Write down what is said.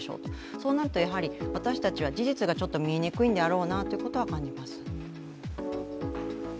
そうなると、私たちは事実が見えにくいんだろうなということは感じます。